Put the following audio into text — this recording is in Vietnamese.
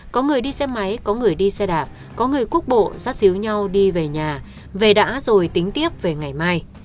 có người đi xe máy có người đi xe đạp có người quốc bộ rắt xíu nhau đi về nhà về đã rồi tính tiếp về ngày mai